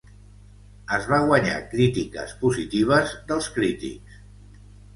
Es va guanyar crítiques positives dels crítics.